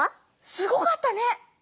すごかったね！